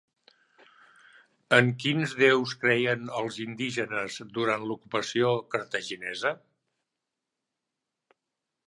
En quins déus creien els indígenes durant l'ocupació cartaginesa?